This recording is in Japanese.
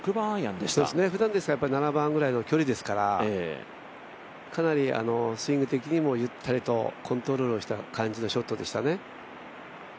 ふだんですと７番アイアンくらいの距離ですから、かなりスイング的にもゆったりとコントロールした感じのショットでしたね。